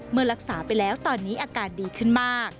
เมื่อรักษาไปแล้วตอนนี้อาการดีขึ้นมาก